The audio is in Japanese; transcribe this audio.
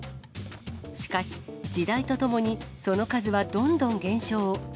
しかし、時代とともにその数はどんどん減少。